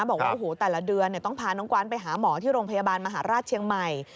บอกว่าโอ้โหแต่ละเดือนต้องพาน้องกว้านไปหาหมอที่โรงพยาบาลมหาราชเชียงใหม่